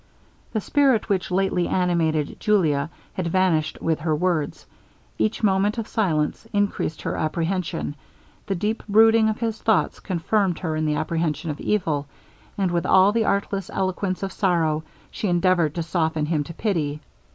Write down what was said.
The spirit which lately animated Julia had vanished with her words each moment of silence increased her apprehension; the deep brooding of his thoughts confirmed her in the apprehension of evil, and with all the artless eloquence of sorrow she endeavoured to soften him to pity.